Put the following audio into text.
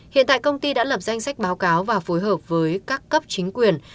hiện tại công ty đã lập danh sách báo cáo và phối hợp với các cấp chính quyền